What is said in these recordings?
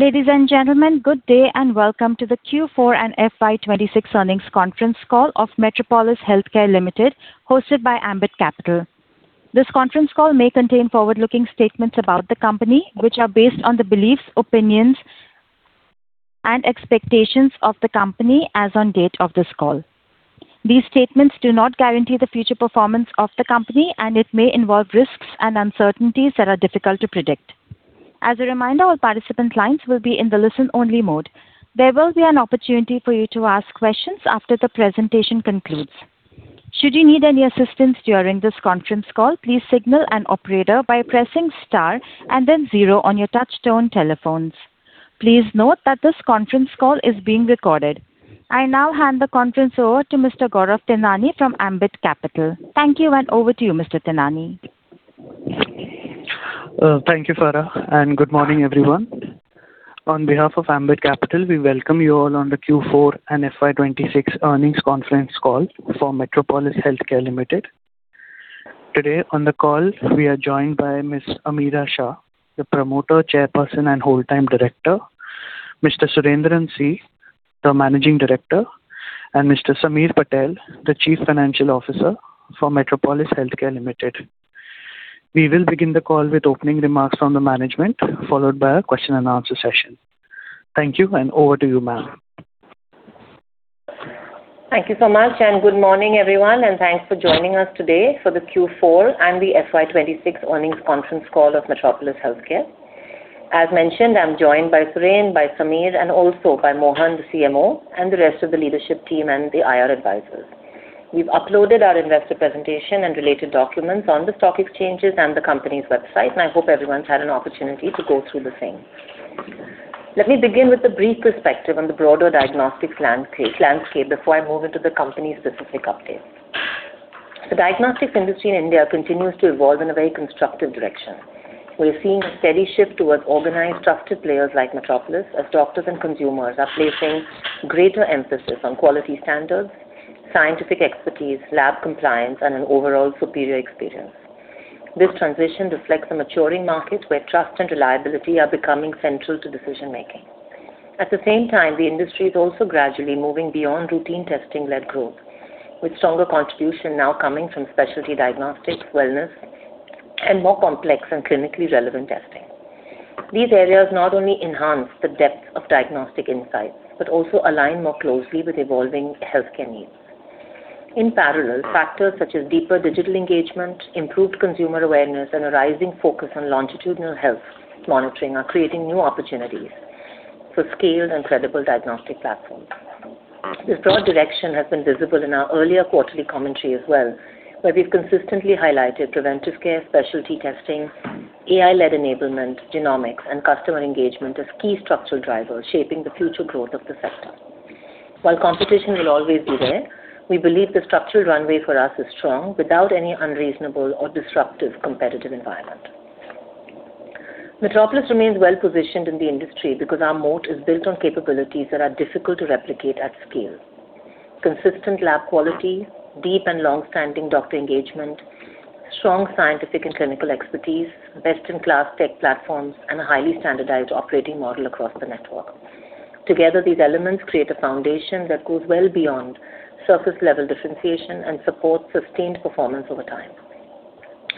Ladies and gentlemen, good day and welcome to the Q4 and FY 2026 earnings conference call of Metropolis Healthcare Limited, hosted by Ambit Capital. This conference call may contain forward-looking statements about the company, which are based on the beliefs, opinions, and expectations of the company as on date of this call. These statements do not guarantee the future performance of the company, and it may involve risks and uncertainties that are difficult to predict. As a reminder, all participant lines will be in the listen-only mode. There will be an opportunity for you to ask questions after the presentation concludes. Should you need any assistance during this conference call, please signal an operator by pressing star and then zero on your touch-tone telephones. Please note that this conference call is being recorded. I now hand the conference over to Mr. Gaurav Tinani from Ambit Capital. Thank you, and over to you, Mr. Tinani. Thank you, Farrah. Good morning, everyone. On behalf of Ambit Capital, we welcome you all on the Q4 and FY 2026 earnings conference call for Metropolis Healthcare Limited. Today on the call we are joined by Ms. Ameera Shah, the Promoter, Chairperson, and Whole-Time Director, Mr. Surendran Chemmenkotil, the Managing Director, and Mr. Sameer Patel, the Chief Financial Officer for Metropolis Healthcare Limited. We will begin the call with opening remarks from the management, followed by a question-and-answer session. Thank you, and over to you, ma'am. Thank you so much, and good morning, everyone, and thanks for joining us today for the Q4 and the FY 2026 earnings conference call of Metropolis Healthcare. As mentioned, I'm joined by Suren, by Sameer, and also by Mohan, the CMO, and the rest of the leadership team and the IR advisors. We've uploaded our investor presentation and related documents on the stock exchanges and the company's website. I hope everyone's had an opportunity to go through the same. Let me begin with a brief perspective on the broader diagnostics landscape before I move into the company's specific updates. The diagnostics industry in India continues to evolve in a very constructive direction. We are seeing a steady shift towards organized, trusted players like Metropolis as doctors and consumers are placing greater emphasis on quality standards, scientific expertise, lab compliance, and an overall superior experience. This transition reflects a maturing market where trust and reliability are becoming central to decision-making. At the same time, the industry is also gradually moving beyond routine testing-led growth, with stronger contribution now coming from Specialty diagnostics, wellness, and more complex and clinically relevant testing. These areas not only enhance the depth of diagnostic insights but also align more closely with evolving healthcare needs. In parallel, factors such as deeper digital engagement, improved consumer awareness, and a rising focus on longitudinal health monitoring are creating new opportunities for scaled and credible diagnostic platforms. This broad direction has been visible in our earlier quarterly commentary as well, where we've consistently highlighted preventive care, Specialty testing, AI-led enablement, genomics, and customer engagement as key structural drivers shaping the future growth of the sector. While competition will always be there, we believe the structural runway for us is strong without any unreasonable or disruptive competitive environment. Metropolis remains well-positioned in the industry because our moat is built on capabilities that are difficult to replicate at scale. Consistent lab quality, deep and longstanding doctor engagement, strong scientific and clinical expertise, best-in-class tech platforms, and a highly standardized operating model across the network. Together, these elements create a foundation that goes well beyond surface-level differentiation and supports sustained performance over time.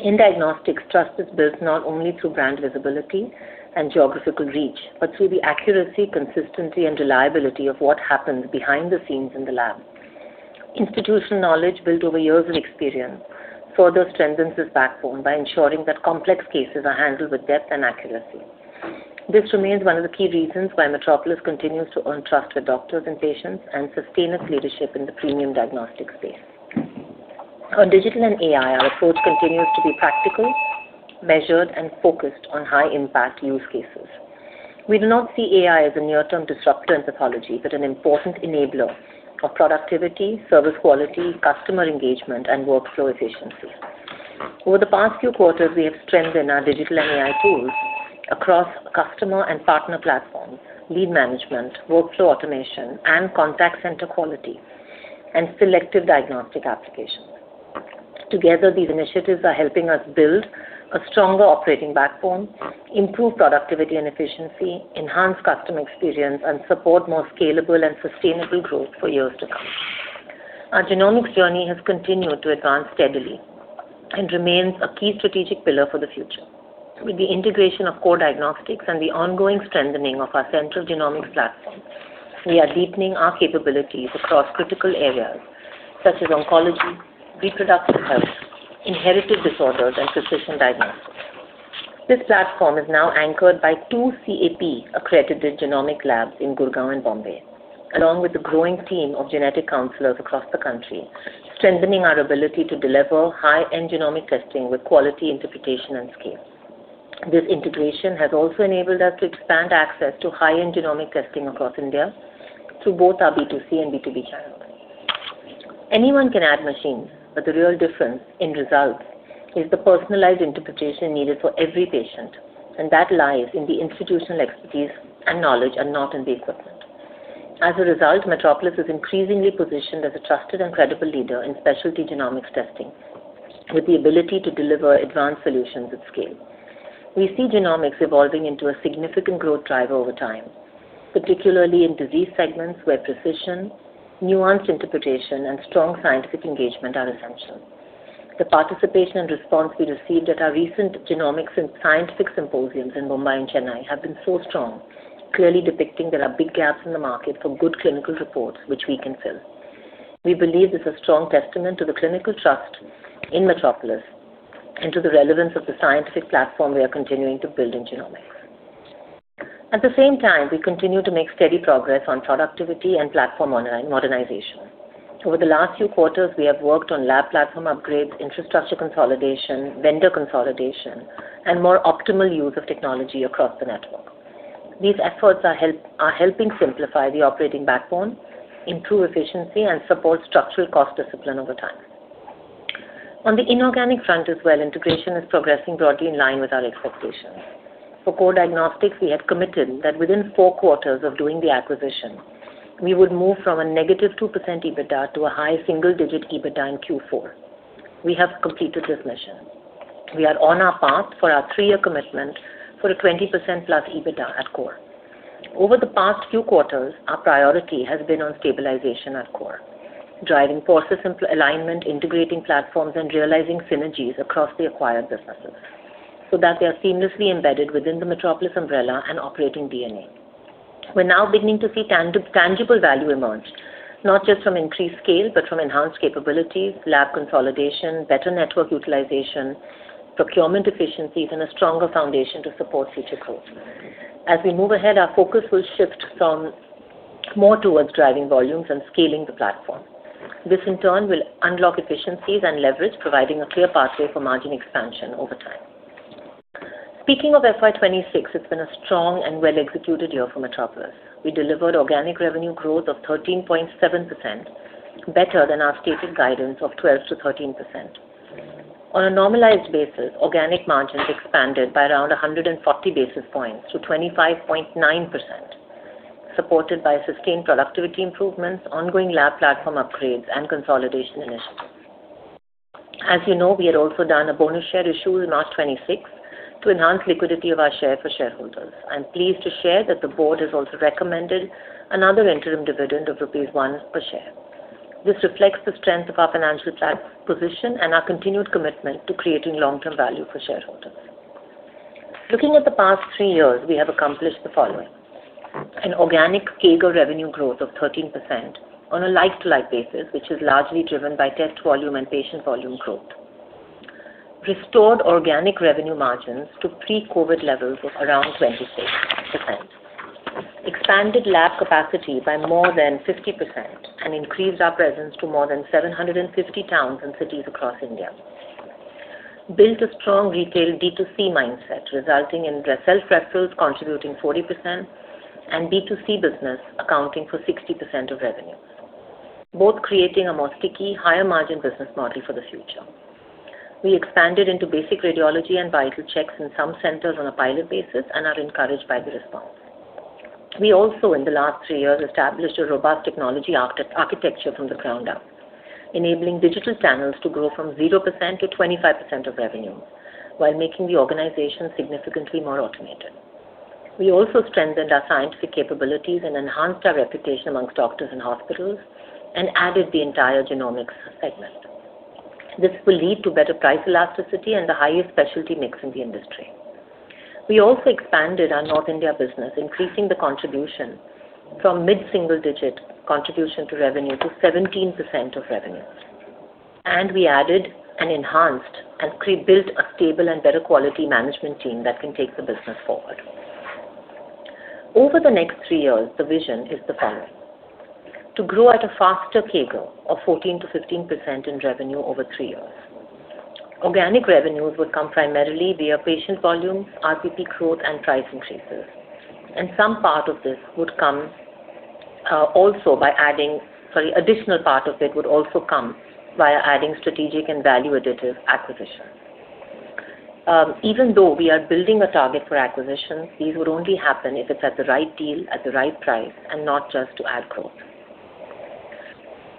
In diagnostics, trust is built not only through brand visibility and geographical reach, but through the accuracy, consistency, and reliability of what happens behind the scenes in the lab. Institutional knowledge built over years of experience further strengthens this backbone by ensuring that complex cases are handled with depth and accuracy. This remains one of the key reasons why Metropolis continues to earn trust with doctors and patients and sustain its leadership in the premium diagnostic space. On digital and AI, our approach continues to be practical, measured, and focused on high-impact use cases. We do not see AI as a near-term disruptor in pathology, but an important enabler of productivity, service quality, customer engagement, and workflow efficiency. Over the past few quarters, we have strengthened our digital and AI tools across customer and partner platforms, lead management, workflow automation, and contact center quality and selective diagnostic applications. Together, these initiatives are helping us build a stronger operating backbone, improve productivity and efficiency, enhance customer experience, and support more scalable and sustainable growth for years to come. Our genomics journey has continued to advance steadily and remains a key strategic pillar for the future. With the integration of Core Diagnostics and the ongoing strengthening of our central genomics platform, we are deepening our capabilities across critical areas such as oncology, reproductive health, inherited disorders, and precision diagnostics. This platform is now anchored by two CAP-accredited genomic labs in Gurgaon and Bombay, along with a growing team of genetic counselors across the country, strengthening our ability to deliver high-end genomic testing with quality interpretation and scale. This integration has also enabled us to expand access to high-end genomic testing across India through both our B2C and B2B channels. Anyone can add machines, but the real difference in results is the personalized interpretation needed for every patient, and that lies in the institutional expertise and knowledge and not in the equipment. As a result, Metropolis is increasingly positioned as a trusted and credible leader in specialty genomics testing, with the ability to deliver advanced solutions at scale. We see genomics evolving into a significant growth driver over time, particularly in disease segments where precision, nuanced interpretation, and strong scientific engagement are essential. The participation and response we received at our recent genomics and scientific symposiums in Mumbai and Chennai have been so strong, clearly depicting there are big gaps in the market for good clinical reports, which we can fill. We believe this is a strong testament to the clinical trust in Metropolis and to the relevance of the scientific platform we are continuing to build in genomics. At the same time, we continue to make steady progress on productivity and platform modernization. Over the last few quarters, we have worked on lab platform upgrades, infrastructure consolidation, vendor consolidation, and more optimal use of technology across the network. These efforts are helping simplify the operating backbone, improve efficiency, and support structural cost discipline over time. On the inorganic front as well, integration is progressing broadly in line with our expectations. For Core Diagnostics, we had committed that within four quarters of doing the acquisition, we would move from a -2% EBITDA to a high single-digit EBITDA in Q4. We have completed this mission. We are on our path for our three-year commitment for a 20%+ EBITDA at Core. Over the past few quarters, our priority has been on stabilization at Core, driving process alignment, integrating platforms, and realizing synergies across the acquired businesses so that they are seamlessly embedded within the Metropolis umbrella and operating DNA. We're now beginning to see tangible value emerged, not just from increased scale, but from enhanced capabilities, lab consolidation, better network utilization, procurement efficiencies, and a stronger foundation to support future growth. As we move ahead, our focus will shift from more towards driving volumes and scaling the platform. This, in turn, will unlock efficiencies and leverage, providing a clear pathway for margin expansion over time. Speaking of FY 2026, it's been a strong and well-executed year for Metropolis. We delivered organic revenue growth of 13.7%, better than our stated guidance of 12%-13%. On a normalized basis, organic margins expanded by around 140 basis points to 25.9%, supported by sustained productivity improvements, ongoing lab platform upgrades, and consolidation initiatives. As you know, we had also done a bonus share issue on March 26th to enhance liquidity of our share for shareholders. I'm pleased to share that the board has also recommended another interim dividend of rupees 1 per share. This reflects the strength of our financial position and our continued commitment to creating long-term value for shareholders. Looking at the past three years, we have accomplished the following: An organic CAGR revenue growth of 13% on a like-to-like basis, which is largely driven by test volume and patient volume growth. Restored organic revenue margins to pre-COVID levels of around 26%. Expanded lab capacity by more than 50% and increased our presence to more than 750 towns and cities across India. Built a strong retail D2C mindset, resulting in self-referrals contributing 40% and B2C business accounting for 60% of revenue, both creating a more sticky, higher-margin business model for the future. We expanded into basic radiology and vital checks in some centers on a pilot basis and are encouraged by the response. We also, in the last three years, established a robust technology architecture from the ground up, enabling digital channels to grow from 0%-25% of revenue while making the organization significantly more automated. We also strengthened our scientific capabilities and enhanced our reputation amongst doctors and hospitals and added the entire genomics segment. This will lead to better price elasticity and the highest Specialty mix in the industry. We also expanded our North India business, increasing the contribution from mid-single digit contribution to revenue to 17% of revenue. We added and enhanced and pre-built a stable and better quality management team that can take the business forward. Over the next three years, the vision is the following: To grow at a faster CAGR of 14%-15% in revenue over three years. Organic revenues would come primarily via patient volumes, RPP growth, and price increases. Some additional part of it would also come via adding strategic and value-additive acquisitions. Even though we are building a target for acquisitions, these would only happen if it's at the right deal, at the right price, and not just to add growth.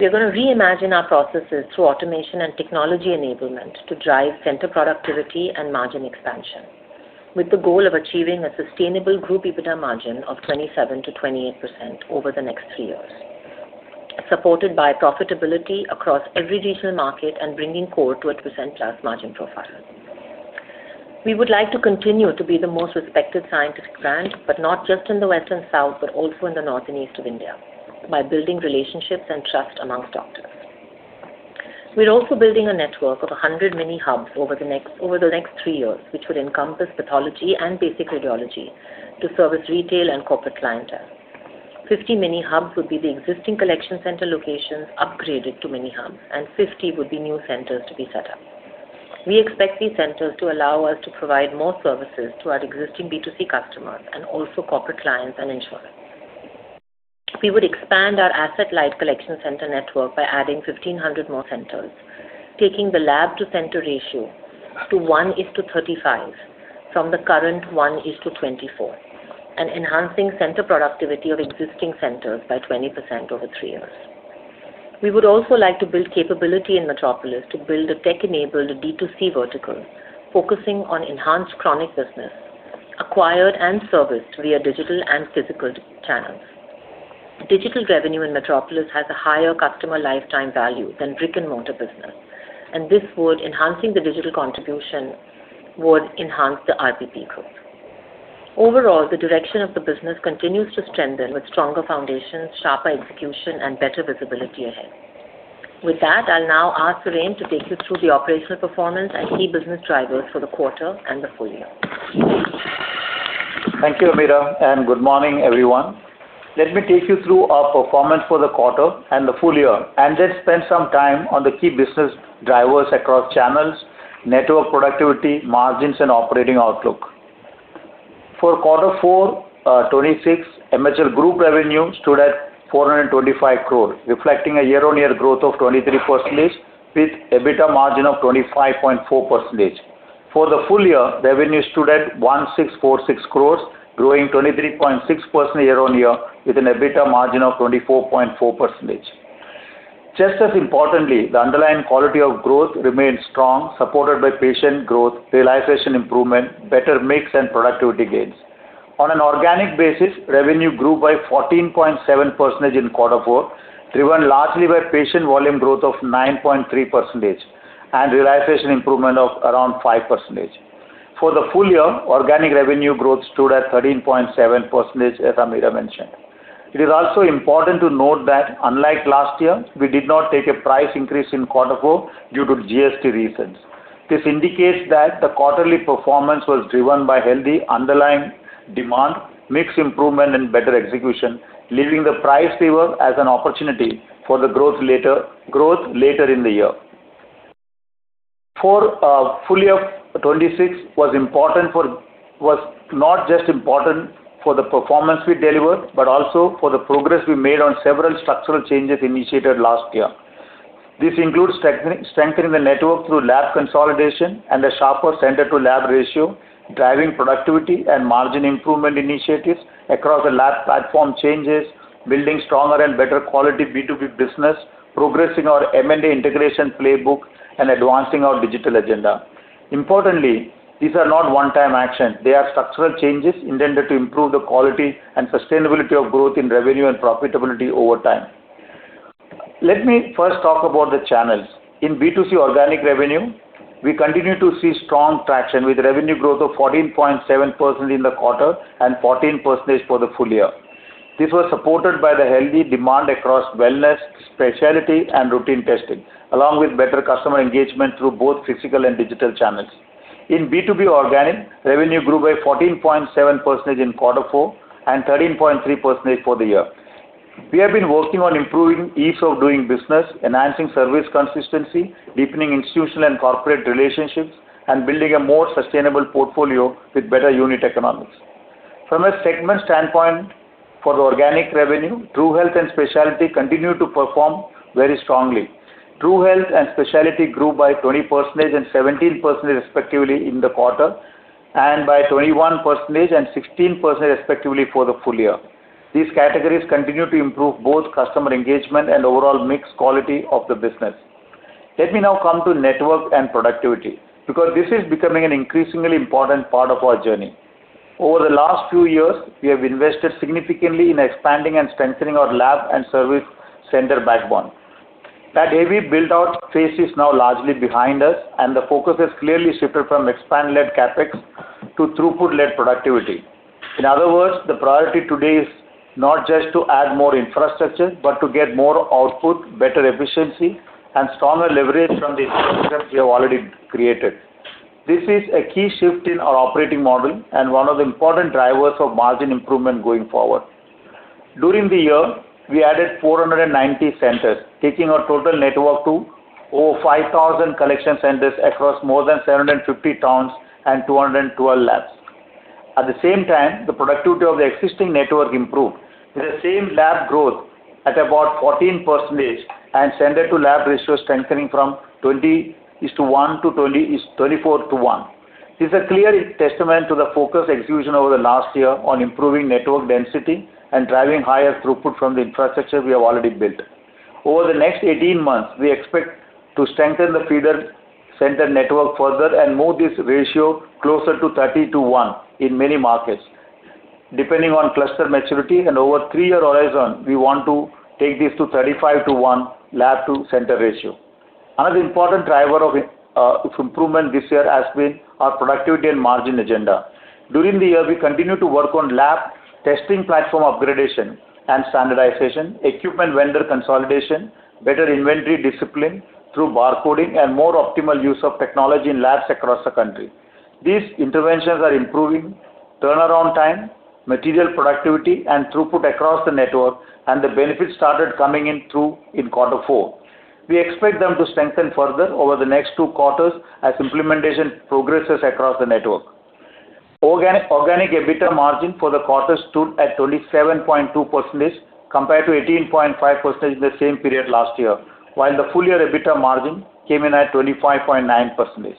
We're gonna reimagine our processes through automation and technology enablement to drive center productivity and margin expansion with the goal of achieving a sustainable group EBITDA margin of 27%-28% over the next three years, supported by profitability across every regional market and bringing Core Diagnostics to a percent plus margin profile. We would like to continue to be the most respected scientific brand, but not just in the West and South, but also in the North and East of India by building relationships and trust amongst doctors. We're also building a network of 100 mini hubs over the next three years, which would encompass pathology and basic radiology to service retail and corporate clientele. 50 mini hubs would be the existing collection center locations upgraded to mini hubs, and 50 would be new centers to be set up. We expect these centers to allow us to provide more services to our existing B2C customers and also corporate clients and insurers. We would expand our asset-light collection center network by adding 1,500 more centers. Taking the lab-to-center ratio to 1:35 from the current 1:24, and enhancing center productivity of existing centers by 20% over three years. We would also like to build capability in Metropolis Healthcare to build a tech-enabled D2C vertical, focusing on enhanced chronic business acquired and serviced via digital and physical channels. Digital revenue in Metropolis Healthcare has a higher customer lifetime value than brick-and-mortar business, and enhancing the digital contribution would enhance the RPP growth. Overall, the direction of the business continues to strengthen with stronger foundations, sharper execution, and better visibility ahead. With that, I'll now ask Suren to take you through the operational performance and key business drivers for the quarter and the full-year. Thank you, Ameera. Good morning, everyone. Let me take you through our performance for the quarter and the full-year, and then spend some time on the key business drivers across channels, network productivity, margins, and operating outlook. For quarter four, 2026, MHL group revenue stood at 425 crore, reflecting a year-on-year growth of 23% with EBITDA margin of 25.4%. For the full-year, revenue stood at 1,646 crores, growing 23.6% year-on-year with an EBITDA margin of 24.4%. Just as importantly, the underlying quality of growth remains strong, supported by patient growth, realization improvement, better mix and productivity gains. On an organic basis, revenue grew by 14.7% in quarter four, driven largely by patient volume growth of 9.3% and realization improvement of around 5%. For the full-year, organic revenue growth stood at 13.7%, as Ameera mentioned. It is also important to note that unlike last year, we did not take a price increase in Q4 due to GST reasons. This indicates that the quarterly performance was driven by healthy underlying demand, mix improvement, and better execution, leaving the price favor as an opportunity for the growth later in the year. Full-year 2026 was not just important for the performance we delivered, but also for the progress we made on several structural changes initiated last year. This includes strengthening the network through lab consolidation and a sharper center-to-lab ratio, driving productivity and margin improvement initiatives across the lab platform changes, building stronger and better quality B2B business, progressing our M&A integration playbook, and advancing our digital agenda. Importantly, these are not one-time actions. They are structural changes intended to improve the quality and sustainability of growth in revenue and profitability over time. Let me first talk about the channels. In B2C organic revenue, we continue to see strong traction with revenue growth of 14.7% in the quarter and 14% for the full-year. This was supported by the healthy demand across wellness, Specialty, and routine testing, along with better customer engagement through both physical and digital channels. In B2B organic, revenue grew by 14.7% in quarter four and 13.3% for the year. We have been working on improving ease of doing business, enhancing service consistency, deepening institutional and corporate relationships, and building a more sustainable portfolio with better unit economics. From a segment standpoint for the organic revenue, TruHealth and Specialty continue to perform very strongly. TruHealth and Specialty grew by 20% and 17% respectively in the quarter, and by 21% and 16% respectively for the full-year. These categories continue to improve both customer engagement and overall mix quality of the business. Let me now come to network and productivity, because this is becoming an increasingly important part of our journey. Over the last few years, we have invested significantly in expanding and strengthening our lab and service center backbone. That heavy build-out phase is now largely behind us, and the focus has clearly shifted from expand-led CapEx to throughput-led productivity. In other words, the priority today is not just to add more infrastructure, but to get more output, better efficiency, and stronger leverage from the infrastructure we have already created. This is a key shift in our operating model and one of the important drivers of margin improvement going forward. During the year, we added 490 centers, taking our total network to over 5,000 collection centers across more than 750 towns and 212 labs. At the same time, the productivity of the existing network improved. With the same lab growth at about 14% and center-to-lab ratio strengthening from 20:1-24:1. This is a clear testament to the focused execution over the last year on improving network density and driving higher throughput from the infrastructure we have already built. Over the next 18 months, we expect to strengthen the feeder center network further and move this ratio closer to 30:1 in many markets, depending on cluster maturity. Over a three-year horizon, we want to take this to 35:1 lab-to-center ratio. Another important driver of improvement this year has been our productivity and margin agenda. During the year, we continued to work on lab testing platform upgradation and standardization, equipment vendor consolidation, better inventory discipline through bar coding, and more optimal use of technology in labs across the country. These interventions are improving turnaround time, material productivity, and throughput across the network, and the benefits started coming in through in quarter four. We expect them to strengthen further over the next two quarters as implementation progresses across the network. Organic EBITDA margin for the quarter stood at 27.2% compared to 18.5% in the same period last year, while the full-year EBITDA margin came in at 25.9%.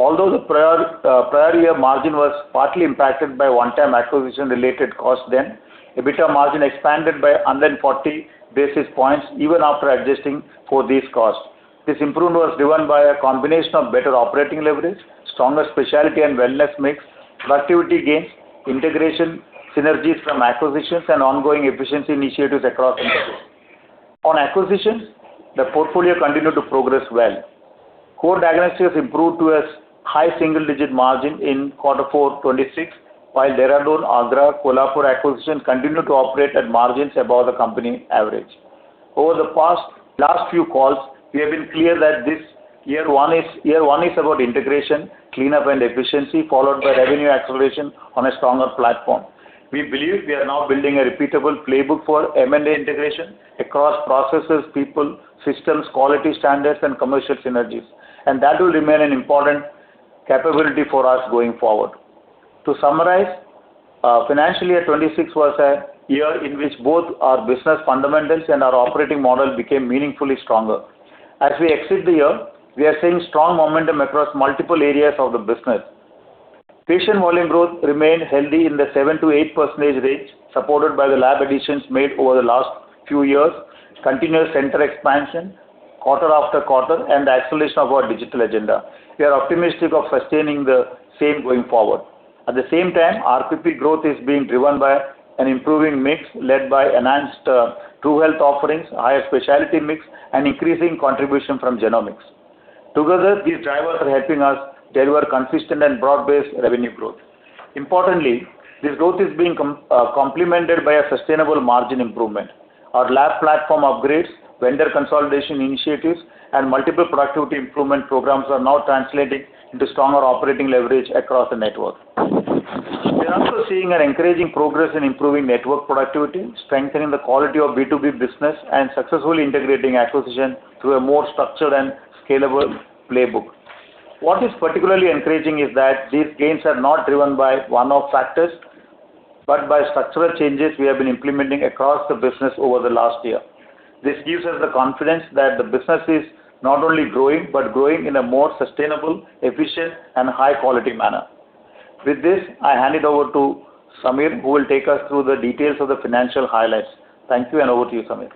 Although the prior year margin was partly impacted by one-time acquisition related costs then, EBITDA margin expanded by 140 basis points even after adjusting for these costs. This improvement was driven by a combination of better operating leverage, stronger Specialty and wellness mix, productivity gains, integration synergies from acquisitions, and ongoing efficiency initiatives across industry. On acquisitions, the portfolio continued to progress well. Core Diagnostics improved to a high single-digit margin in quarter four 2026, while Dehradun, Agra, Kolhapur acquisition continued to operate at margins above the company average. Over the last few calls, we have been clear that this year one is about integration, cleanup and efficiency followed by revenue acceleration on a stronger platform. We believe we are now building a repeatable playbook for M&A integration across processes, people, systems, quality standards, and commercial synergies, and that will remain an important capability for us going forward. To summarize, financial year 2026 was a year in which both our business fundamentals and our operating model became meaningfully stronger. As we exit the year, we are seeing strong momentum across multiple areas of the business. Patient volume growth remained healthy in the 7%-8% range, supported by the lab additions made over the last few years, continuous center expansion quarter after quarter, and the acceleration of our digital agenda. We are optimistic of sustaining the same going forward. At the same time, RPP growth is being driven by an improving mix led by enhanced TruHealth offerings, higher Specialty mix, and increasing contribution from genomics. Together, these drivers are helping us deliver consistent and broad-based revenue growth. Importantly, this growth is being complemented by a sustainable margin improvement. Our lab platform upgrades, vendor consolidation initiatives, and multiple productivity improvement programs are now translating into stronger operating leverage across the network. We are also seeing an encouraging progress in improving network productivity, strengthening the quality of B2B business, and successfully integrating acquisition through a more structured and scalable playbook. What is particularly encouraging is that these gains are not driven by one-off factors, but by structural changes we have been implementing across the business over the last year. This gives us the confidence that the business is not only growing, but growing in a more sustainable, efficient, and high quality manner. With this, I hand it over to Sameer, who will take us through the details of the financial highlights. Thank you, and over to you, Sameer.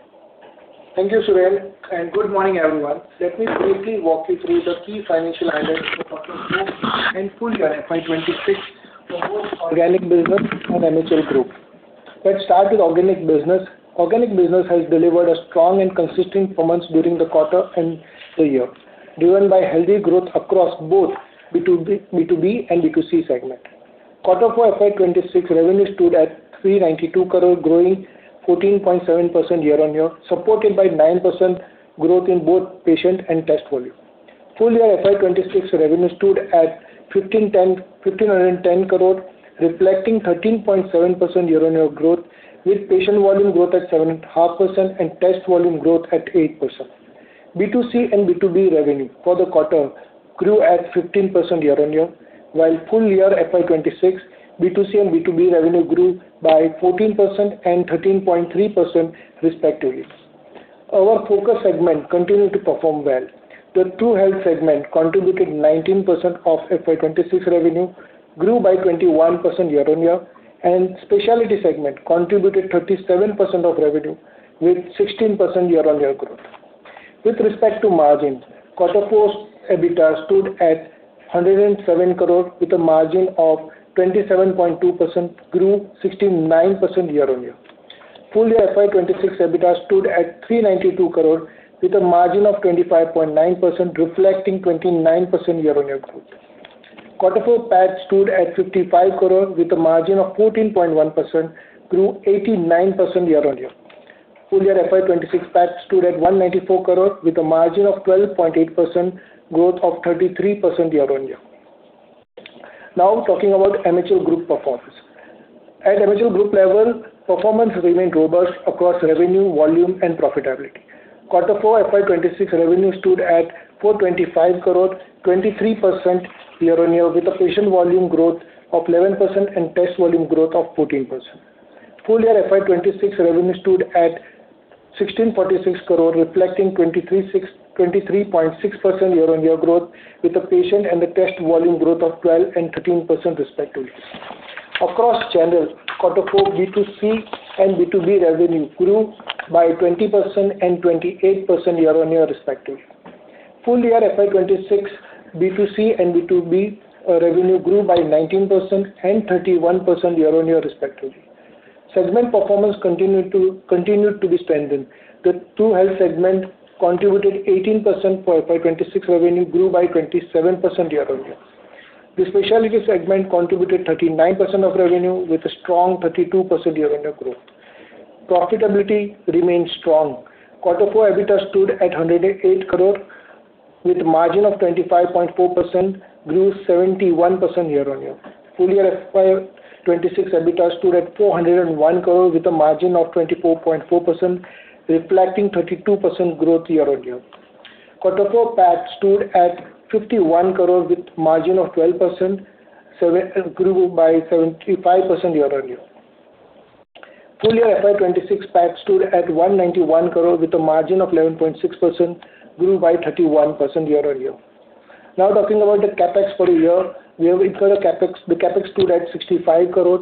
Thank you, Suren, and good morning, everyone. Let me briefly walk you through the key financial highlights of the group and full-year FY 2026 for both organic business and MHL group. Let's start with organic business. Organic business has delivered a strong and consistent performance during the quarter and the year, driven by healthy growth across both B2B and B2C segment. Quarter four FY 2026 revenue stood at 392 crore growing 14.7% year-on-year, supported by 9% growth in both patient and test volume. Full-year FY 2026 revenue stood at 1,510 crore, reflecting 13.7% year-on-year growth, with patient volume growth at 7.5% and test volume growth at 8%. B2C and B2B revenue for the quarter grew at 15% year-on-year, while full-year FY 2026 B2C and B2B revenue grew by 14% and 13.3% respectively. Our focus segment continued to perform well. The TruHealth segment contributed 19% of FY 2026 revenue, grew by 21% year-on-year, and Specialty segment contributed 37% of revenue with 16% year-on-year growth. With respect to margins, quarter four's EBITDA stood at 107 crore with a margin of 27.2% grew 69% year-on-year. Full-year FY 2026 EBITDA stood at 392 crore with a margin of 25.9% reflecting 29% year-on-year growth. Quarter four PAT stood at 55 crore with a margin of 14.1% grew 89% year-on-year. Full-year FY 2026 PAT stood at 194 crore with a margin of 12.8% growth of 33% year-on-year. Now talking about MHL group performance. At MHL group level, performance remained robust across revenue, volume, and profitability. Quarter four FY 2026 revenue stood at 425 crore, 23% year-on-year with a patient volume growth of 11% and test volume growth of 14%. Full-year FY 2026 revenue stood at 1,646 crore, reflecting 23.6% year-on-year growth with a patient and a test volume growth of 12% and 13% respectively. Across channels, Q4 B2C and B2B revenue grew by 20% and 28% year-on-year respectively. Full-year FY 2026 B2C and B2B revenue grew by 19% and 31% year-on-year respectively. Segment performance continued to be splendid. The TruHealth segment contributed 18% for FY 2026 revenue grew by 27% year-on-year. The Specialty segment contributed 39% of revenue with a strong 32% year-on-year growth. Profitability remains strong. Quarter four EBITDA stood at 108 crore with a margin of 25.4% grew 71% year-on-year. Full-year FY 2026 EBITDA stood at 401 crore with a margin of 24.4%, reflecting 32% growth year-on-year. Quarter four PAT stood at 51 crore with margin of 12%, grew by 75% year-over-year. Full-year FY 2026 PAT stood at 191 crore with a margin of 11.6%, grew by 31% year-over-year. Talking about the CapEx for the year. We have incurred a CapEx. The CapEx stood at 65 crore.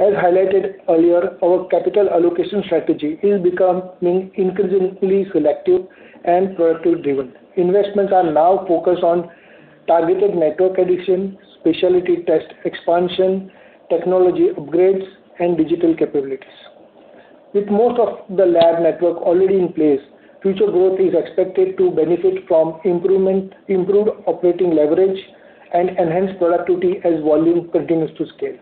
As highlighted earlier, our capital allocation strategy is becoming increasingly selective and productivity driven. Investments are now focused on targeted network addition, Specialty test expansion, technology upgrades, and digital capabilities. With most of the lab network already in place, future growth is expected to benefit from improved operating leverage and enhanced productivity as volume continues to scale.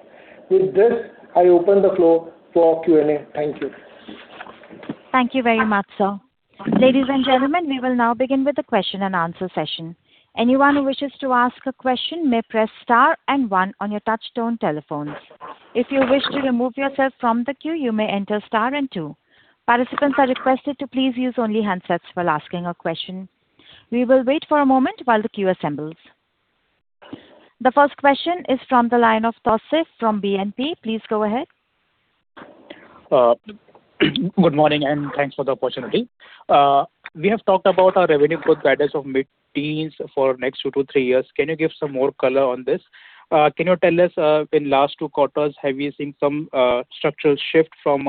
With this, I open the floor for Q&A. Thank you. Thank you very much, sir. Ladies and gentlemen, we will now begin with the question-and-answer session. Anyone who wishes to ask a question may press star one on your touch-tone telephones. If you wish to remove yourself from the queue, you may enter star and two. Participants are requested to please use only handsets while asking a question. We will wait for a moment while the queue assembles. The first question is from the line of Tausif from BNP Paribas. Please go ahead. Good morning. Thanks for the opportunity. We have talked about our revenue growth guidance of mid-teens for next two to three years. Can you give some more color on this? Can you tell us, in last two quarters, have you seen some structural shift from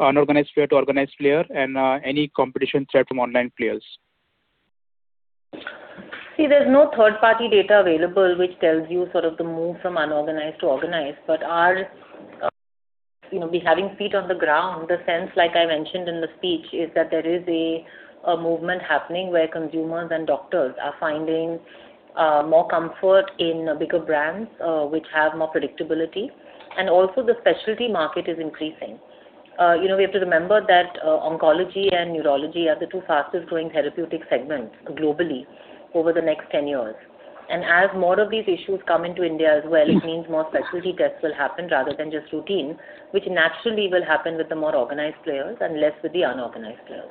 unorganized player to organized player and any competition threat from online players? See, there's no third-party data available which tells you sort of the move from unorganized to organized. Our, you know, having feet on the ground, the sense, like I mentioned in the speech, is that there is a movement happening where consumers and doctors are finding more comfort in bigger brands, which have more predictability. Also the Specialty market is increasing. You know, we have to remember that oncology and neurology are the two fastest growing therapeutic segments globally over the next 10 years. As more of these issues come into India as well, it means more Specialty tests will happen rather than just routine, which naturally will happen with the more organized players and less with the unorganized players.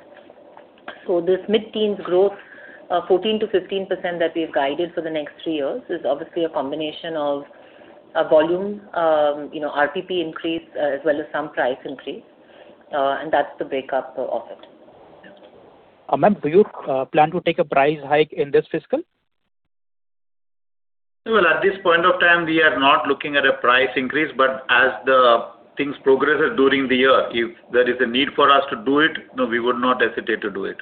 This mid-teens growth, 14%-15% that we've guided for the next three years is obviously a combination of, volume, you know, RPP increase, as well as some price increase. That's the breakup of it. Ma'am, do you plan to take a price hike in this fiscal? Well, at this point of time, we are not looking at a price increase, but as the things progress during the year, if there is a need for us to do it, no, we would not hesitate to do it.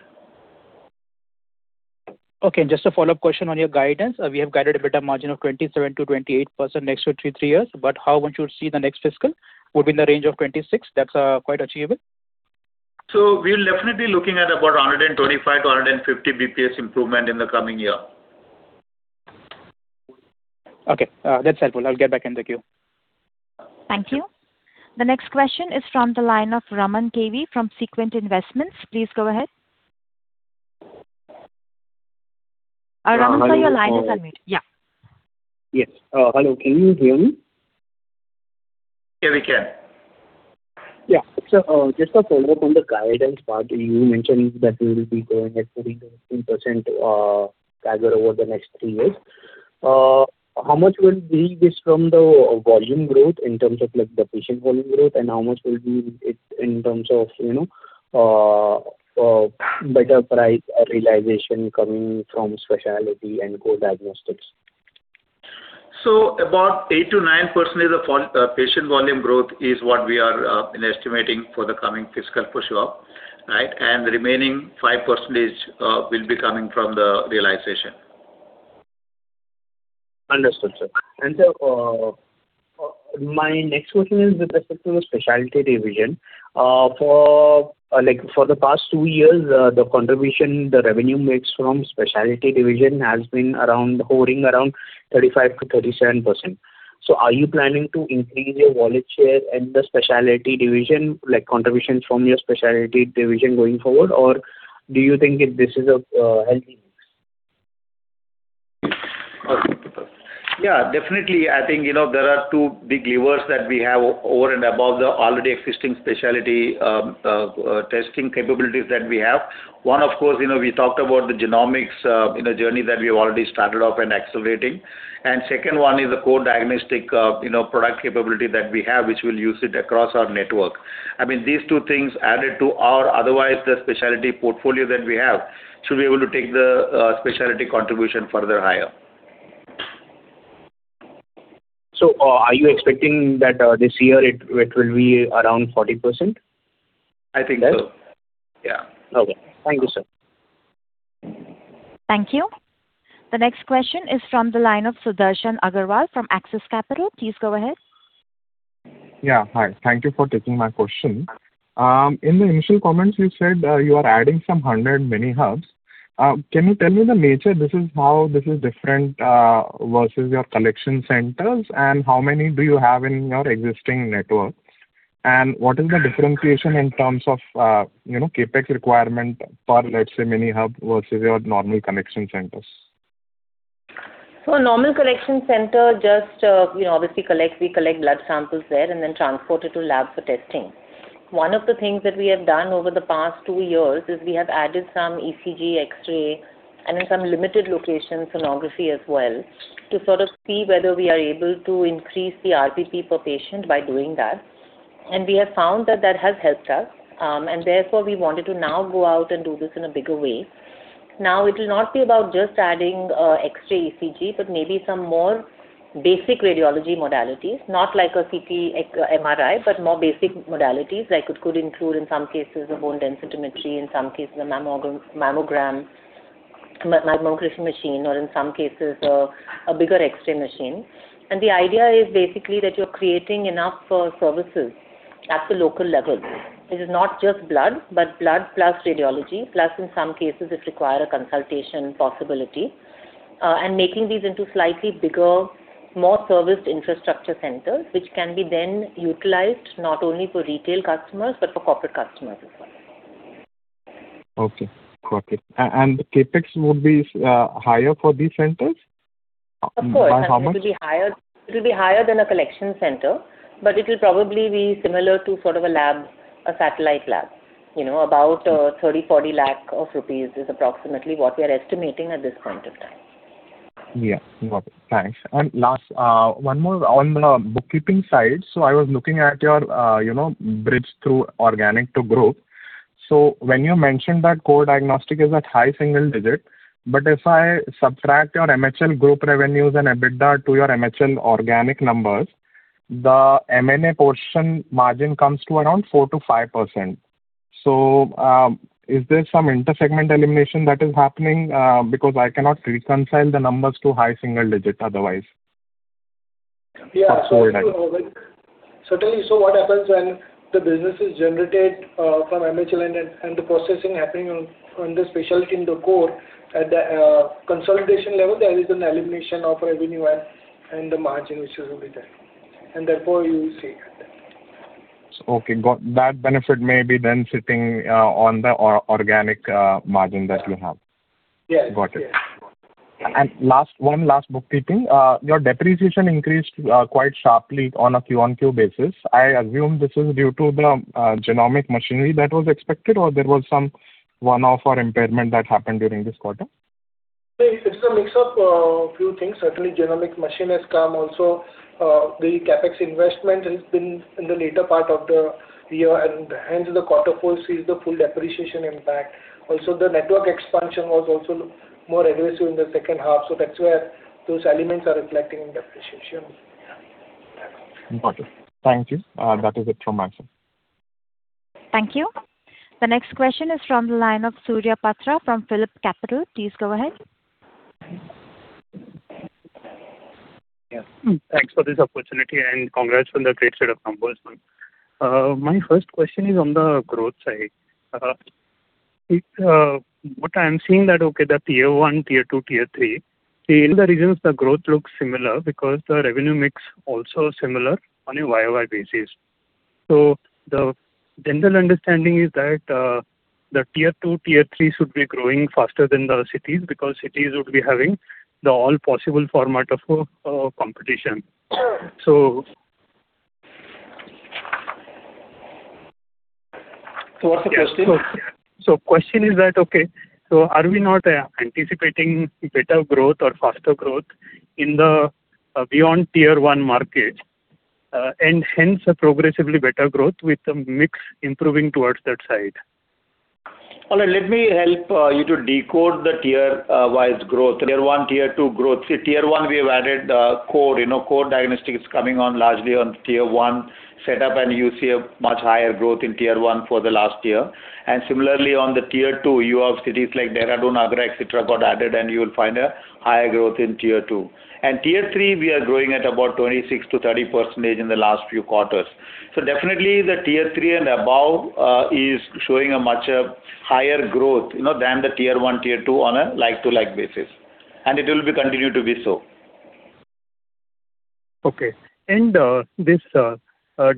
Okay, just a follow-up question on your guidance. We have guided a better margin of 27%-28% next two to three years, but how would you see the next fiscal? Would be in the range of 26%? That's quite achievable. We are definitely looking at about 125-150 basis points improvement in the coming year. Okay, that's helpful. I'll get back in the queue. Thank you. The next question is from the line of Raman KV from Sequent Investments. Please go ahead. Raman sir, your line is unmuted. Yes, hello. Can you hear me? Yeah, we can. Yeah, just a follow-up on the guidance part. You mentioned that you will be growing at 14%-15% CAGR over the next three years. How much will be this from the volume growth in terms of like the patient volume growth and how much will be it in terms of, you know, better price realization coming from Specialty and Core Diagnostics? About 8%-9% of the patient volume growth is what we are estimating for the coming fiscal for sure. The remaining 5% will be coming from the realization. Understood, sir. Sir, my next question is with respect to the Specialty division. For the past two years, the contribution the revenue makes from Specialty has been around, hovering around 35%-37%. Are you planning to increase your volume share in the Specialty division, like contributions from your Specialty going forward? Do you think this is a healthy mix? Yeah, definitely. I think there are two big levers that we have over and above the already existing Specialty testing capabilities that we have. One, of course, we talked about the genomics journey that we have already started off and accelerating. Second one is the Core Diagnostics product capability that we have, which we'll use it across our network. I mean, these two things added to our otherwise the Specialty portfolio that we have should be able to take the Specialty contribution further higher. Are you expecting that, this year it will be around 40%? I think so. Right. Yeah. Okay. Thank you, sir. Thank you. The next question is from the line of Sudarshan Agarwal from Axis Capital. Please go ahead. Hi, thank you for taking my question. In the initial comments you said you are adding some 100 mini hubs. Can you tell me the nature this is how this is different versus your collection centers, and how many do you have in your existing network? What is the differentiation in terms of CapEx requirement for, let's say, mini hub versus your normal collection centers? A normal collection center just, you know, obviously we collect blood samples there and then transport it to lab for testing. One of the things that we have done over the past two years is we have added some ECG, X-ray, and in some limited locations, sonography as well, to sort of see whether we are able to increase the RPP per patient by doing that. We have found that that has helped us. Therefore we wanted to now go out and do this in a bigger way. It will not be about just adding X-ray, ECG, but maybe some more basic radiology modalities. Not like a CT, MRI, but more basic modalities. Like it could include, in some cases, a bone densitometry, in some cases a mammogram, mammography machine, or in some cases a bigger X-ray machine. The idea is basically that you're creating enough services at the local level. It is not just blood, but blood plus radiology, plus in some cases it require a consultation possibility. Making these into slightly bigger, more serviced infrastructure centers, which can be then utilized not only for retail customers but for corporate customers as well. Okay, got it. The CapEx would be higher for these centers? Of course. By how much? It will be higher than a collection center, but it will probably be similar to sort of a lab, a satellite lab. You know, about 30 lakh, 40 lakh rupees is approximately what we are estimating at this point of time. Yeah. Got it, thanks. Last, one more on the bookkeeping side. I was looking at your, you know, bridge through organic to growth. When you mentioned that Core Diagnostics is at high single digit, but if I subtract your MHL group revenues and EBITDA to your MHL organic numbers, the M&A portion margin comes to around 4%-5%. Is there some inter-segment elimination that is happening? I cannot reconcile the numbers to high single digit otherwise. Yeah. Absolutely. Tell you, what happens when the business is generated from MHL and the processing happening on the Specialty in the Core. At the consolidation level, there is an elimination of revenue and the margin which will be there. Therefore you see that. Okay. That benefit may be then sitting on the organic margin that you have. Yeah. Yes. Got it. Last one, last bookkeeping. Your depreciation increased quite sharply on a QoQ basis. I assume this is due to the genomic machinery that was expected, or there was some one-off or impairment that happened during this quarter? It's a mix of few things. Certainly genomic machine has come also. The CapEx investment has been in the later part of the year, hence the quarter four sees the full depreciation impact. Also, the network expansion was also more aggressive in the second half. That's where those elements are reflecting in depreciation. Got it. Thank you, that is it from my side. Thank you. The next question is from the line of Surya Patra from PhillipCapital. Please go ahead. Yeah. Thanks for this opportunity, congrats on the great set of numbers. My first question is on the growth side. What I am seeing that, okay, the Tier 1, Tier 2, Tier 3, in the regions the growth looks similar because the revenue mix also similar on a YoY basis. The general understanding is that the Tier 2, Tier 3 should be growing faster than the cities because cities would be having the all possible format of competition. What's the question? Question is that, are we not anticipating better growth or faster growth in the beyond Tier 1 market, and hence a progressively better growth with the mix improving towards that side? Well, let me help you to decode the Tier wise growth. Tier 1, Tier 2 growth. See Tier 1 we have added the Core. You know, Core Diagnostics is coming on largely on Tier 1 setup, and you see a much higher growth in Tier 1 for the last year. Similarly on the Tier 2, you have cities like Dehradun, Agra, etc, got added, and you will find a higher growth in Tier 2. Tier 3 we are growing at about 26%-30% in the last few quarters. So definitely the Tier 3 and above is showing a much higher growth, you know, than the Tier 1, Tier 2 on a like-to-like basis. It will be continue to be so. Okay. This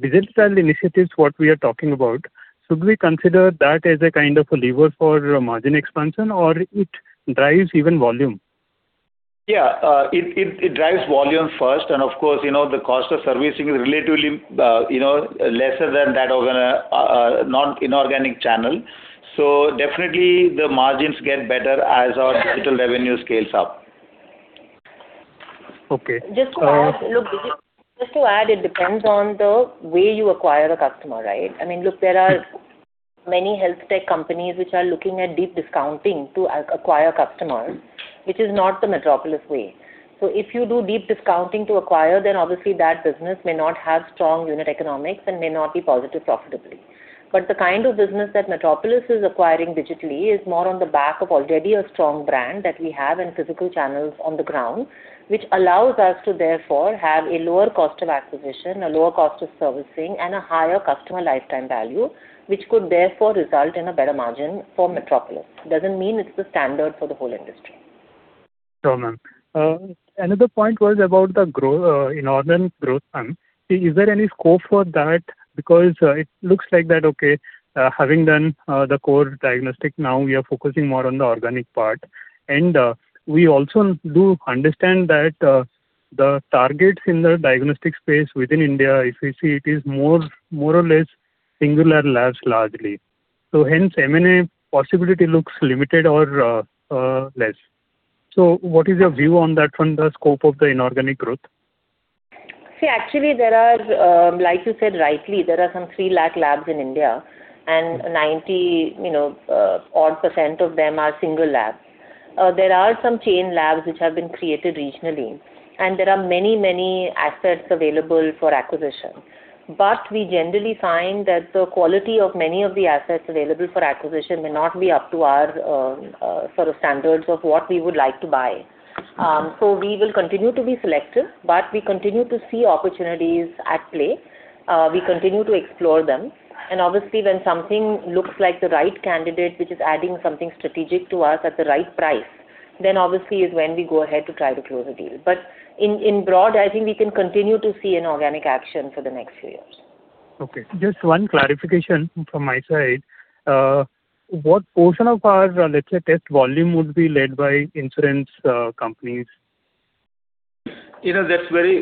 digital initiatives what we are talking about, should we consider that as a kind of a lever for margin expansion or it drives even volume? It drives volume first. Of course, you know, the cost of servicing is relatively, you know, lesser than that of a non-inorganic channel. Definitely the margins get better as our digital revenue scales up. Okay. Just to add, it depends on the way you acquire a customer, right? I mean, there are many health tech companies which are looking at deep discounting to acquire customers, which is not the Metropolis way. If you do deep discounting to acquire, then obviously that business may not have strong unit economics and may not be positive profitably. The kind of business that Metropolis is acquiring digitally is more on the back of already a strong brand that we have in physical channels on the ground, which allows us to therefore have a lower cost of acquisition, a lower cost of servicing, and a higher customer lifetime value, which could therefore result in a better margin for Metropolis. Doesn't mean it's the standard for the whole industry. Sure, ma'am. Another point was about inorganic growth, ma'am. Is there any scope for that? Because it looks like that, okay, having done the Core Diagnostics, now we are focusing more on the organic part. We also do understand that the targets in the diagnostic space within India, if we see it is more or less singular labs largely. Hence M&A possibility looks limited or less. What is your view on that from the scope of the inorganic growth? Actually there are, like you said rightly, there are some 3 lakh labs in India, and 90%-odd of them are single labs. There are some chain labs which have been created regionally, and there are many, many assets available for acquisition. We generally find that the quality of many of the assets available for acquisition may not be up to our sort of standards of what we would like to buy. We will continue to be selective, but we continue to see opportunities at play. We continue to explore them, obviously when something looks like the right candidate, which is adding something strategic to us at the right price, then obviously is when we go ahead to try to close a deal. In broad, I think we can continue to see inorganic action for the next few years. Okay. Just one clarification from my side. What portion of our, let's say, test volume would be led by insurance companies? You know, that's very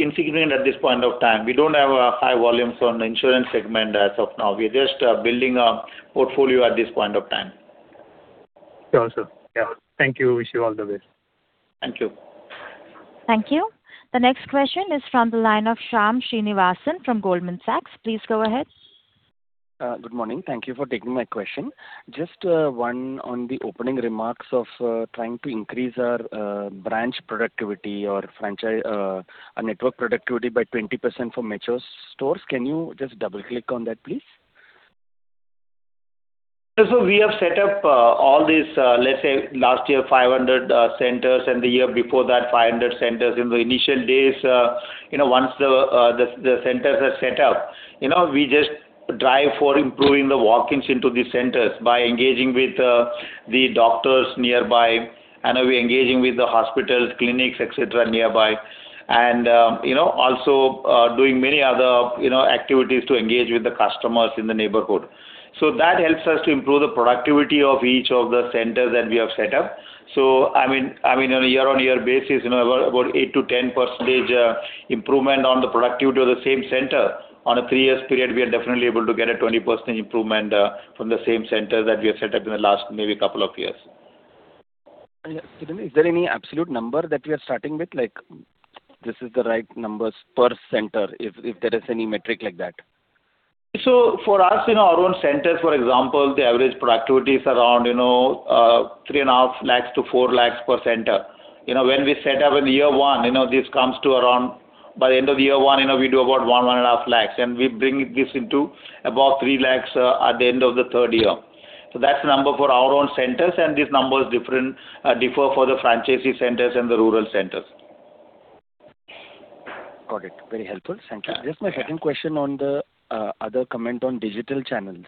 insignificant at this point of time. We don't have high volumes on insurance segment as of now. We're just building a portfolio at this point of time. Sure, sir. Yeah, thank you. Wish you all the best. Thank you. Thank you. The next question is from the line of Shyam Srinivasan from Goldman Sachs. Please go ahead. Good morning. Thank you for taking my question. Just one on the opening remarks of trying to increase our branch productivity or our network productivity by 20% for mature stores. Can you just double-click on that, please? We have set up, all these, let's say last year, 500 centers and the year before that, 500 centers. In the initial days, you know, once the centers are set up, you know, we just drive for improving the walk-ins into the centers by engaging with the doctors nearby, and we're engaging with the hospitals, clinics, etc, nearby. Also, you know, doing many other, you know, activities to engage with the customers in the neighborhood. That helps us to improve the productivity of each of the centers that we have set up. I mean, on a year-on-year basis, you know, about 8%-10% improvement on the productivity of the same center. On a three years period, we are definitely able to get a 20% improvement from the same center that we have set up in the last couple of years. Yeah. Is there any absolute number that we are starting with? Like this is the right numbers per center, if there is any metric like that. For us, you know, our own centers, for example, the average productivity is around, you know, 3.5 lakhs-4 lakhs per center. When we set up in year one, you know, this comes to by the end of year one, you know, we do about 1.5 lakhs, and we bring this into about 3 lakhs at the end of the third year. That's the number for our own centers, and these numbers differ for the franchisee centers and the rural centers. Got it, very helpful. Thank you. Yeah. Just my second question on the other comment on digital channels,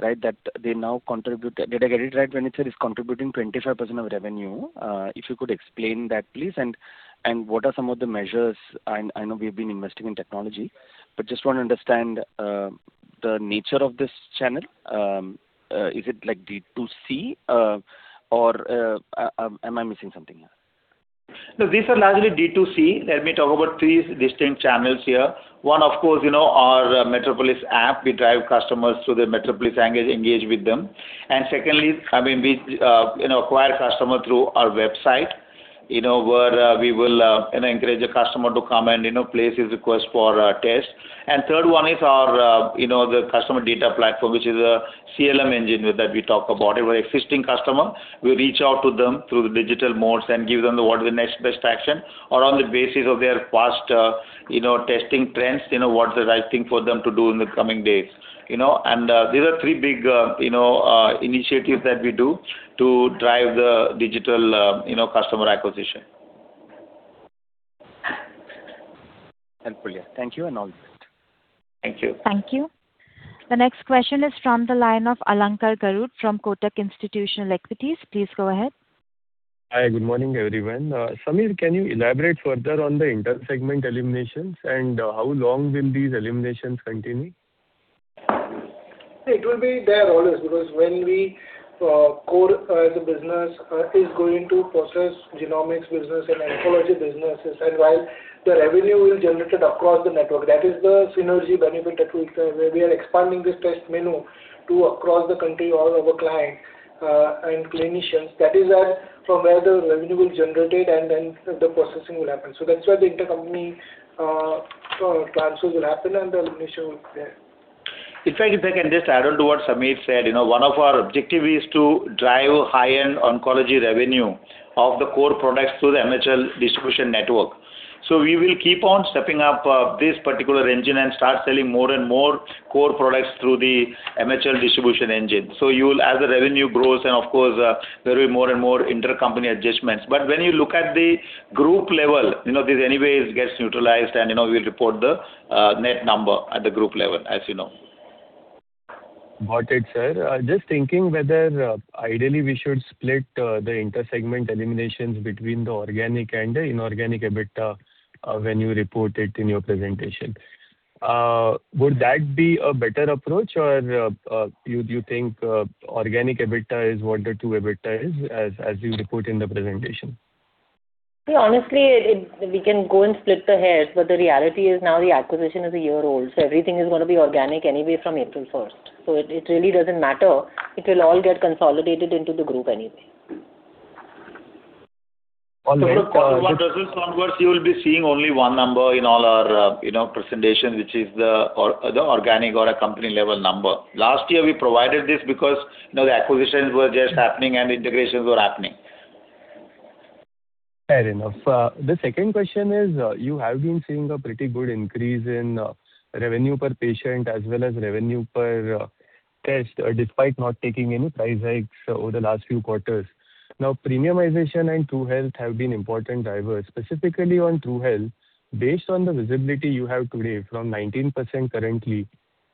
right? That they now contribute. Did I get it right when you said it's contributing 25% of revenue? If you could explain that, please. What are some of the measures? I know we've been investing in technology, but just want to understand the nature of this channel. Is it like D2C, or am I missing something here? No, these are largely D2C. Let me talk about three distinct channels here. One, of course, you know, our Metropolis app. We drive customers through the Metropolis and engage with them. Secondly, I mean, we, you know, acquire customer through our website, you know, where we will, you know, encourage the customer to come and, you know, place his request for a test. Third one is our, you know, the customer data platform, which is a CLM engine that we talk about. Every existing customer, we reach out to them through the digital modes and give them what the next best action or on the basis of their past, you know, testing trends, you know, what is the right thing for them to do in the coming days, you know. These are three big, you know, initiatives that we do to drive the digital, you know, customer acquisition. Helpful, yeah. Thank you and all the best. Thank you. Thank you. The next question is from the line of Alankar Garude from Kotak Institutional Equities. Please go ahead. Hi, good morning, everyone. Sameer, can you elaborate further on the inter-segment eliminations and how long will these eliminations continue? It will be there always because when we core the business is going to process genomics business and oncology businesses, and while the revenue is generated across the network, that is the synergy benefit that we'll. Where we are expanding this test menu to across the country, all of our client and clinicians. That is from where the revenue will generate it and then the processing will happen. That's why the intercompany transfers will happen and the elimination will be there. In fact, if I can just add on to what Sameer said, you know, one of our objective is to drive high-end oncology revenue of the core products through the MHL distribution network. We will keep on stepping up this particular engine and start selling more and more core products through the MHL distribution engine. As the revenue grows and of course, there will be more and more intercompany adjustments. When you look at the group level, you know, this anyways gets neutralized and, you know, we'll report the net number at the group level, as you know. Got it, sir. Just thinking whether ideally we should split the inter-segment eliminations between the organic and the inorganic EBITDA when you report it in your presentation. Would that be a better approach or you think organic EBITDA is what the true EBITDA is as you report in the presentation? See, honestly, we can go and split the hairs, the reality is now the acquisition is a year old, everything is going to be organic anyway from April 1st. It really doesn't matter. It will all get consolidated into the group anyway. Okay. From quarter one results onwards, you will be seeing only one number in all our, you know, presentation, which is the organic or a company level number. Last year we provided this because, you know, the acquisitions were just happening and integrations were happening. Fair enough. The second question is, you have been seeing a pretty good increase in revenue per patient as well as revenue per test, despite not taking any price hikes over the last few quarters. Premiumization and TruHealth have been important drivers. Specifically on TruHealth, based on the visibility you have today from 19% currently,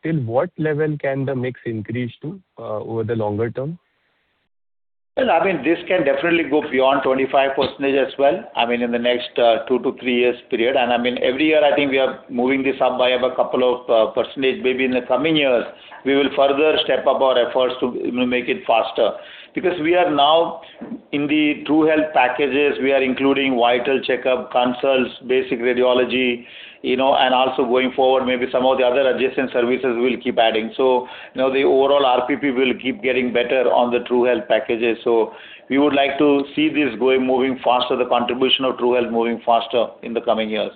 till what level can the mix increase to over the longer term? Well, I mean, this can definitely go beyond 25% as well, I mean, in the next two to three years period. I mean, every year I think we are moving this up by about couple of percentage. Maybe in the coming years we will further step up our efforts to, you know, make it faster. Because we are now in the TruHealth packages, we are including vital checkup consults, basic radiology, you know, and also going forward, maybe some of the other adjacent services we'll keep adding. You know, the overall RPP will keep getting better on the TruHealth packages. We would like to see this going, moving faster, the contribution of TruHealth moving faster in the coming years.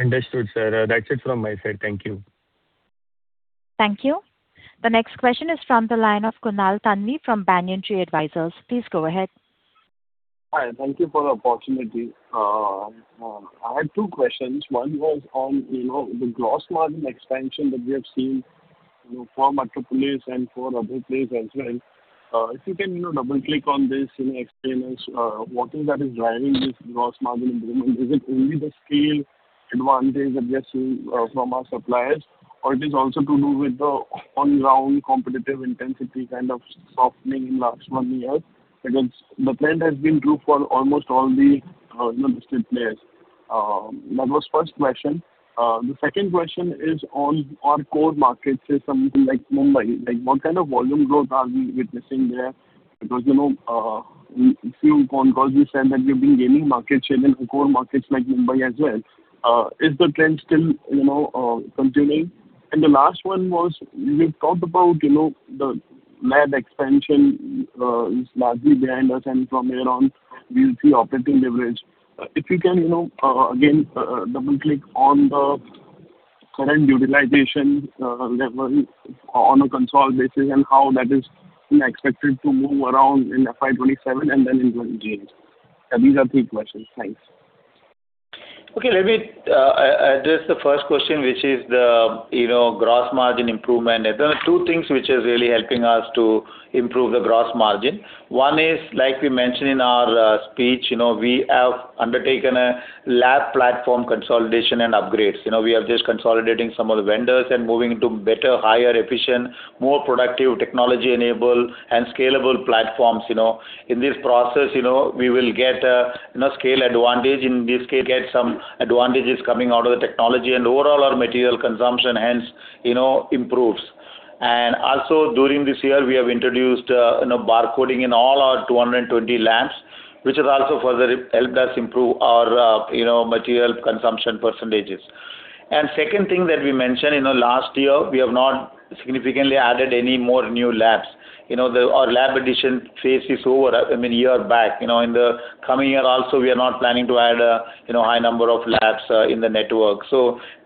Understood, sir. That's it from my side, thank you. Thank you. The next question is from the line of Kunal Thanvi from Banyan Tree Advisors. Please go ahead. Hi, thank you for the opportunity. I had two questions. One was on, you know, the gross margin expansion that we have seen, you know, for Metropolis and for Abhopay as well. If you can, you know, double-click on this and explain us what is that is driving this gross margin improvement. Is it only the scale advantage that we are seeing from our suppliers or it is also to do with the on ground competitive intensity kind of softening in last one year? The trend has been true for almost all the, you know, listed players. That was first question. The second question is on our core markets in something like Mumbai, like what kind of volume growth are we witnessing there? You know, in few concalls you said that you've been gaining market share in core markets like Mumbai as well. Is the trend still, you know, continuing? The last one was, you've talked about, you know, the lab expansion is largely behind us, and from here on we'll see operating leverage. If you can, you know, again, double-click on the current utilization level on a console basis and how that is, you know, expected to move around in FY 2027 and then in going ahead. These are three questions. Thanks. Okay. Let me address the first question, which is the, you know, gross margin improvement. There are two things which is really helping us to improve the gross margin. One is, like we mentioned in our speech, you know, we have undertaken a lab platform consolidation and upgrades. You know, we are just consolidating some of the vendors and moving to better, higher efficient, more productive technology-enabled and scalable platforms, you know. In this process, you know, we will get, you know, scale advantage. In this case get some advantages coming out of the technology and overall our material consumption hence, you know, improves. Also during this year we have introduced, you know, bar coding in all our 220 labs, which has also further helped us improve our, you know, material consumption percentages. Second thing that we mentioned, you know, last year we have not significantly added any more new labs. You know, our lab addition phase is over, I mean, a year back. You know, in the coming year also we are not planning to add, you know, high number of labs in the network.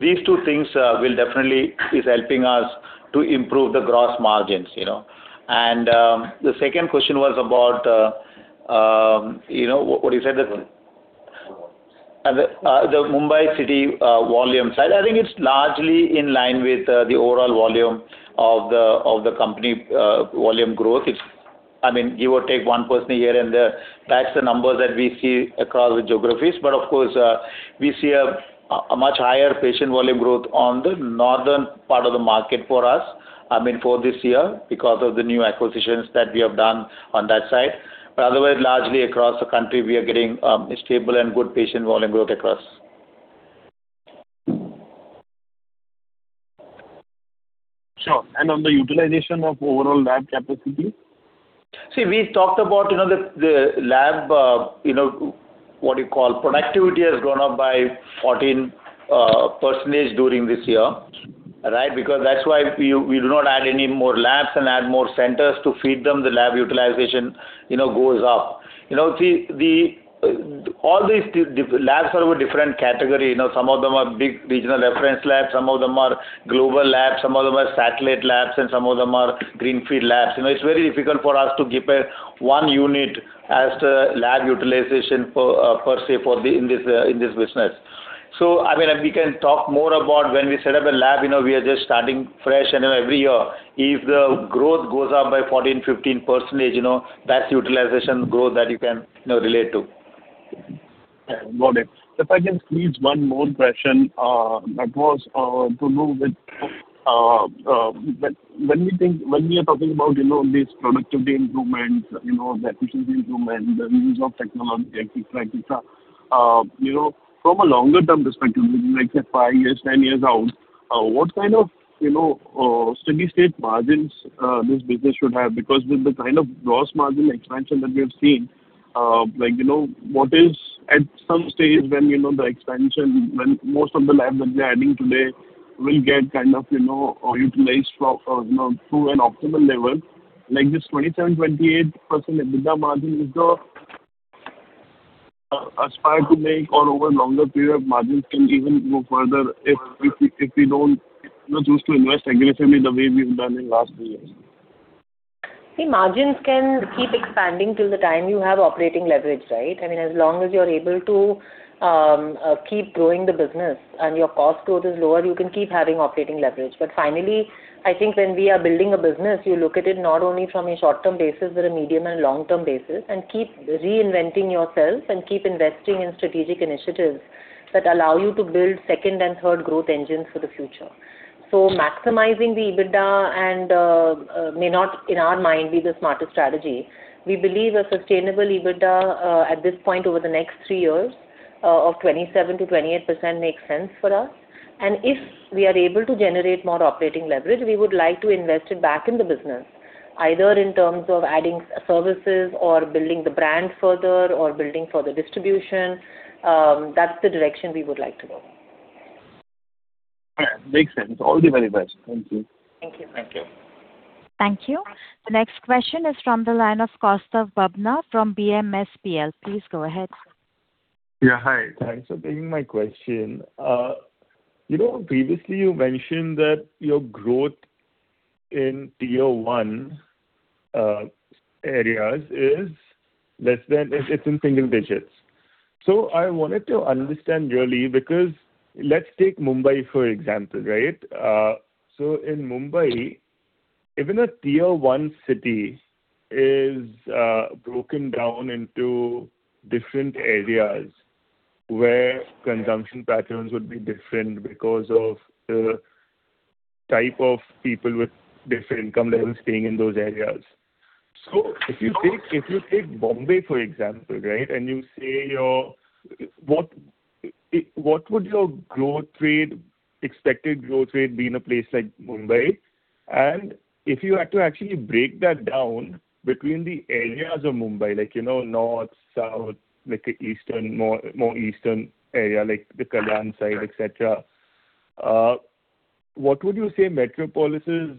These two things will definitely is helping us to improve the gross margins, you know. The second question was about, you know, what you said that? Volume. The Mumbai city volume side. I think it's largely in line with the overall volume of the company volume growth. I mean, give or take 1 percentage here and there, that's the numbers that we see across the geographies. Of course, we see a much higher patient volume growth on the northern part of the market for us, I mean, for this year because of the new acquisitions that we have done on that side. Otherwise, largely across the country we are getting stable and good patient volume growth across. Sure. On the utilization of overall lab capacity? We talked about, you know, the lab, you know, what do you call, productivity has gone up by 14% during this year, right? That's why we do not add any more labs and add more centers to feed them. The lab utilization, you know, goes up. You know, see, the, all these labs are of a different category. You know, some of them are big regional reference labs, some of them are global labs, some of them are satellite labs, and some of them are greenfield labs. You know, it's very difficult for us to give a one unit as to lab utilization for per se in this business. I mean, we can talk more about when we set up a lab, you know, we are just starting fresh. Every year if the growth goes up by 14%-15%, you know, that's utilization growth that you can, you know, relate to. Yeah, got it. If I can squeeze one more question, that was to do with, when we are talking about, you know, this productivity improvement, you know, the efficiency improvement, the use of technology, etc. You know, from a longer-term perspective, like say five years, 10 years out, what kind of, you know, steady-state margins this business should have? Because with the kind of gross margin expansion that we have seen, like, you know, what is at some stage when, you know, the expansion, when most of the labs that they're adding today will get kind of, you know, utilized, you know, to an optimal level. Like this 27%-28% EBITDA margin is the aspired to make or over longer period margins can even go further if we don't, you know, choose to invest aggressively the way we've done in last few years. Margins can keep expanding till the time you have operating leverage, right? I mean, as long as you're able to keep growing the business and your cost growth is lower, you can keep having operating leverage. Finally, I think when we are building a business, you look at it not only from a short-term basis, but a medium and long-term basis, and keep reinventing yourself and keep investing in strategic initiatives that allow you to build second and third growth engines for the future. Maximizing the EBITDA and may not, in our mind, be the smartest strategy. We believe a sustainable EBITDA at this point over the next three years, of 27%-28% makes sense for us. If we are able to generate more operating leverage, we would like to invest it back in the business, either in terms of adding services or building the brand further or building for the distribution. That's the direction we would like to go. Yeah, makes sense. All the very best, thank you. Thank you. Thank you. Thank you. The next question is from the line of Kaustav Bubna from BMSPL. Please go ahead. Yeah, hi. Thanks for taking my question. You know, previously you mentioned that your growth in Tier 1 areas is less than it's in single digits. I wanted to understand really because let's take Mumbai for example, right? In Mumbai, even a Tier 1 city is broken down into different areas where consumption patterns would be different because of the type of people with different income levels staying in those areas. If you take Bombay, for example, right, and you say what would your growth rate, expected growth rate be in a place like Mumbai? If you had to actually break that down between the areas of Mumbai, like, you know, north, south, like a eastern, more eastern area, like the Kalyan side, etc, what would you say Metropolis',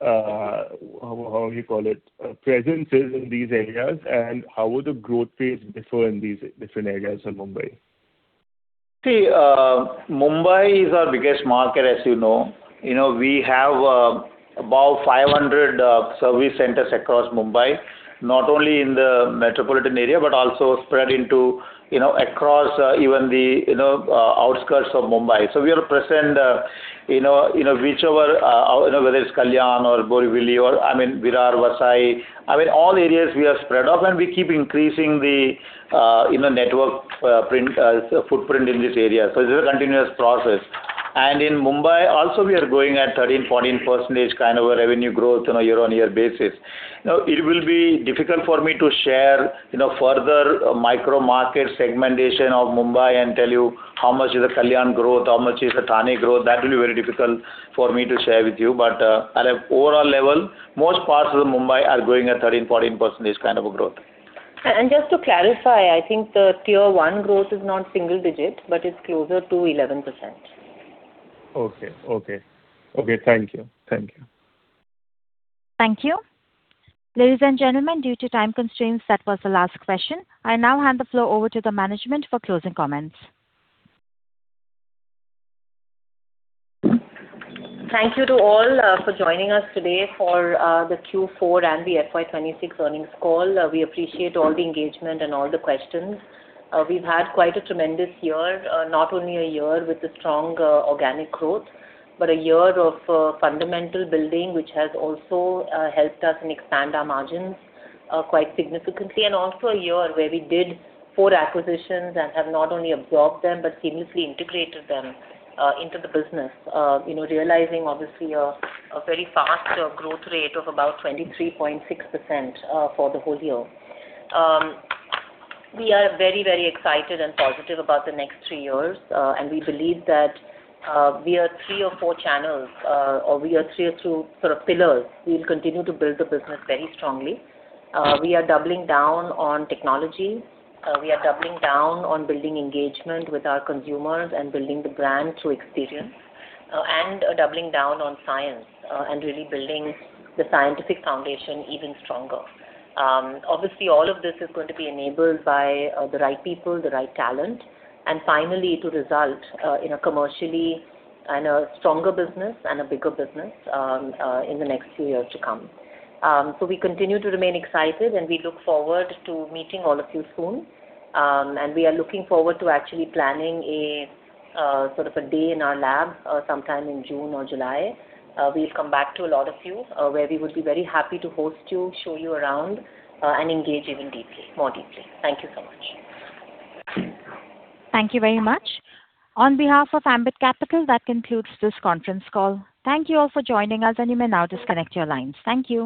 how you call it, presence is in these areas, and how would the growth rates differ in these different areas in Mumbai? See, Mumbai is our biggest market, as you know. You know, we have about 500 service centers across Mumbai, not only in the metropolitan area, but also spread into, you know, across, even the, you know, outskirts of Mumbai. We are present, you know, whichever, whether it's Kalyan or Borivali or, I mean, Virar, Vasai. I mean, all areas we are spread off, and we keep increasing the, you know, network print footprint in this area. This is a continuous process. In Mumbai also we are growing at 13%-14% kind of a revenue growth on a year-on-year basis. It will be difficult for me to share, you know, further micro market segmentation of Mumbai and tell you how much is the Kalyan growth, how much is the Thane growth. That will be very difficult for me to share with you. At an overall level, most parts of Mumbai are growing at 13%, 14% kind of a growth. Just to clarify, I think the Tier 1 growth is not single digit, but it's closer to 11%. Okay, thank you. Thank you. Ladies and gentlemen, due to time constraints, that was the last question. I now hand the floor over to the management for closing comments. Thank you to all for joining us today for the Q4 and the FY 2026 earnings call. We appreciate all the engagement and all the questions. We've had quite a tremendous year, not only a year with a strong organic growth, but a year of fundamental building, which has also helped us expand our margins quite significantly. Also a year where we did four acquisitions and have not only absorbed them, but seamlessly integrated them into the business. You know, realizing obviously a very fast growth rate of about 23.6% for the whole year. We are very, very excited and positive about the next three years, we believe that we are three or four channels, or we are three or two sort of pillars. We'll continue to build the business very strongly. We are doubling down on technology. We are doubling down on building engagement with our consumers and building the brand through experience, and doubling down on science, and really building the scientific foundation even stronger. Obviously all of this is going to be enabled by the right people, the right talent, and finally to result in a commercially and a stronger business and a bigger business, in the next few years to come. We continue to remain excited, and we look forward to meeting all of you soon. And we are looking forward to actually planning a sort of a day in our lab, sometime in June or July. We'll come back to a lot of you, where we would be very happy to host you, show you around, and engage even deeply, more deeply. Thank you so much. Thank you very much. On behalf of Ambit Capital, that concludes this conference call. Thank you all for joining us, and you may now disconnect your lines. Thank you.